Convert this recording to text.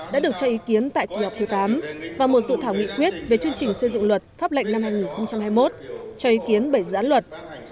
đã được cho ý kiến tại kỳ họp thứ tám và một dự thảo nghị quyết về chương trình xây dựng luật pháp lệnh năm hai nghìn hai mươi một cho ý kiến bảy dự án luật